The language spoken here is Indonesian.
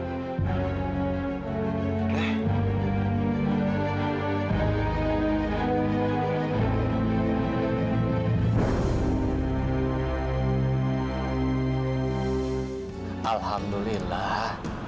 dimana itu shaya yang lagi berkata